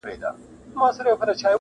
• زه خبر سوم -